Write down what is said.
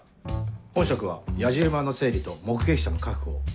本職はやじ馬の整理と目撃者の確保を。